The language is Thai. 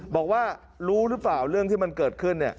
บอกว่ารู้หรือเปล่าเรื่องที่มันเกิดขึ้น